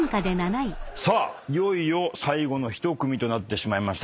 いよいよ最後の１組となってしまいました今回は。